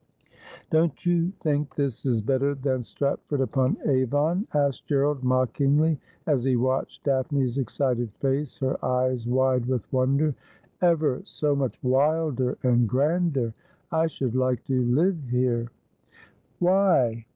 ' Don't you think this is better than Stratford upon Avon ?' asked Gerald mockingly, as he watched Daphne's excited face, her eyes wide with wonder. ' Ever so much wilder and grander. I should like to live here.' 'Why?'